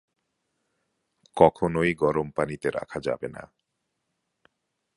কখনোই গরম পানিতে রাখা যাবে না।